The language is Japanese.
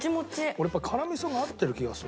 俺やっぱ辛みそが合ってる気がするねこれ。